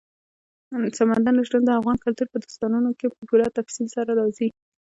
سمندر نه شتون د افغان کلتور په داستانونو کې په پوره تفصیل سره راځي.